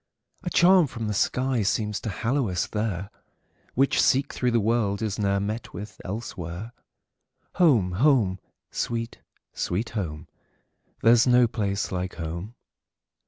A charm from the sky seems to hallow us there, Which, seek through the world, is ne'er met with elsewhere. Home! home! sweet, sweet home! There 's no place like home!